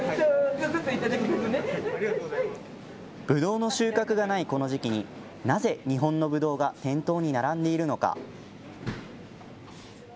ぶどうの収穫がないこの時期に、なぜ日本のぶどうが店頭に並んでいるのか。